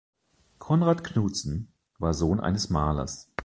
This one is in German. Konrad Knudsen war Sohn eines Malers.